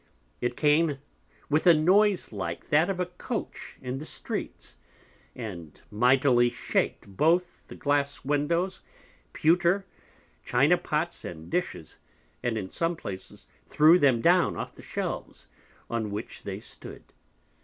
It came with a Noise like that of a Coach in the Streets, and mightily shak'd both the Glass Windows, Pewter, China Pots and Dishes, and in some places threw them down off the Shelves on which they stood.